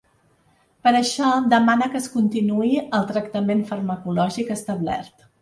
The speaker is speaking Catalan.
Per això demana que es continuï el tractament farmacològic establert.